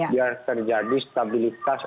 biar terjadi stabilitas